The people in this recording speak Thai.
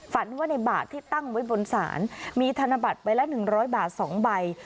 ฝันว่าในบาทที่ตั้งไว้บนศาลมีธนบัตรไปละหนึ่งร้อยบาทสองใบ